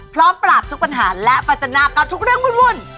พร้อมปราบทุกปัญหาและปัจจนากับทุกเรื่องวุ่น